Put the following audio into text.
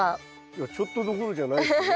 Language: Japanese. いやちょっとどころじゃないですよね。